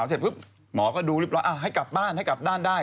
เสร็จปุ๊บหมอก็ดูเรียบร้อยให้กลับบ้านให้กลับด้านได้